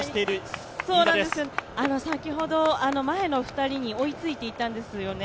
先ほど、前の２人に追いついていたんですよね。